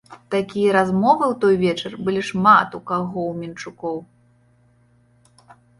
Такія размовы ў той вечар былі шмат у каго ў менчукоў.